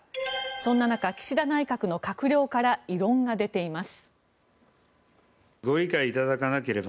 そんな中、岸田内閣の閣僚から異論が出ています。